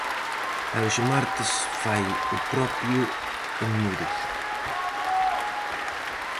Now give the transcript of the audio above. E hoxe martes fai o propio en Muros.